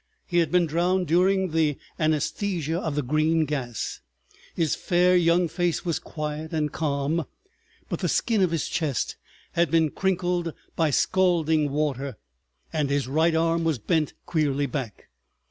He had been drowned during the anaesthesia of the green gas, his fair young face was quiet and calm, but the skin of his chest had been crinkled by scalding water and his right arm was bent queerly back.